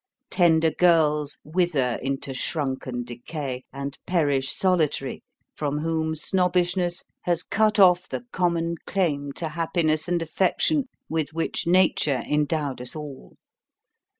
Tender girls wither into shrunken decay, and perish solitary, from whom Snobbishness has cut off the common claim to happiness and affection with which Nature endowed us all.